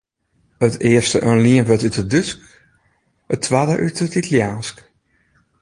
It earste in lienwurd út it Dútsk, it twadde út it Italiaansk.